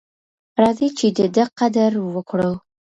راځئ چې د ده قدر وکړو.